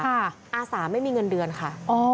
แต่เจ้าหน้าที่มีเงินเดือนค่ะ